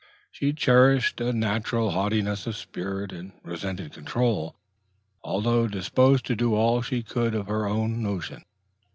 She cherished a natural haughtiness of spirit, and resented control, although disposed to do all she could of her own notion.